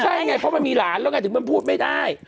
ใช่ไงเพราะมันมีหลานแล้วไงถึงมันพูดไม่ได้